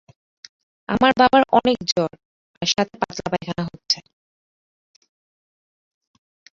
আমার বাবার অনেক জ্বর আর সাথে পাতলা পায়খানা হচ্ছে।